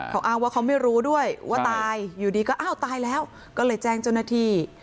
เขาอ้างว่าเขาไม่รู้ด้วยว่าตายอยู่ดีก็อ้าวตายแล้วก็เลยแจ้งเจ้าหน้าที่